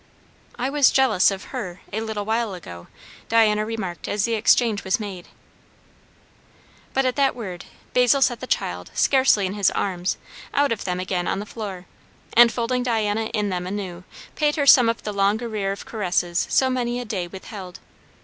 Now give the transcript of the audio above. "I was jealous of her, a little while ago," Diana remarked as the exchange was made. But at that word, Basil set the child, scarcely in his arms, out of them again on the floor; and folding Diana in them anew, paid her some of the long arrear of caresses so many a day withheld.